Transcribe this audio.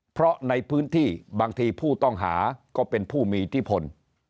เพราะในพื้นที่บางทีผู้ต้องหาก็เป็นผู้มีอิทธิพล